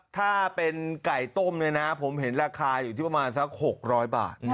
ถ้าเป็นไก่ต้มเนี่ยนะผมเห็นราคาอยู่ที่ประมาณสัก๖๐๐บาท